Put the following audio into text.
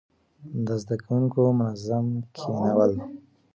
د زده کوونکو منظم کښينول،